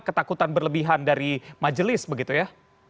ketakutan berlebihan dari majelis begitu ya